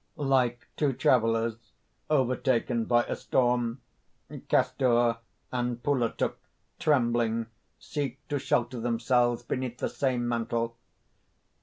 "Like two travellers overtaken by a storm, Kastur and Pulutuk, trembling, seek to shelter themselves beneath the same mantle."